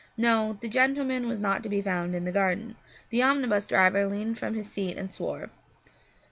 No, the gentleman was not to be found in the garden. The omnibus driver leaned from his seat and swore.